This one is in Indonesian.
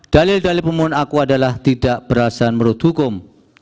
dalil dalil pemohon aku adalah tidak berasa menurut hukum